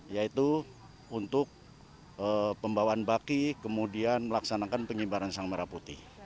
yaitu untuk pembawaan baki kemudian melaksanakan pengibaran sang merah putih